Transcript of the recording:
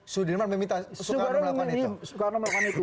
sudirman meminta soekarno melakukan itu